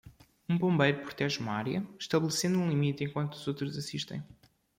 Um bombeiro protege uma área estabelecendo um limite enquanto outros assistem.